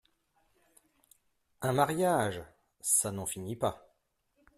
Un mariage !… ça n’en finit pas…